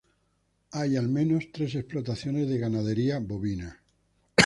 Hay al menos tres explotaciones de ganadería bovina.